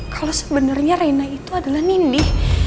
kalau sebenarnya reina itu adalah nindi